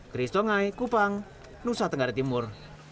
chris tongai kupang nusa tenggara timur